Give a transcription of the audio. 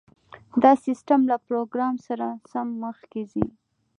دا سیستم له پروګرام سره سم مخکې ځي